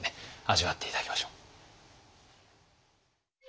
味わって頂きましょう。